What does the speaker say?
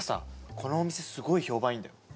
このお店すごい評判いいんだよ